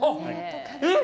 えっ？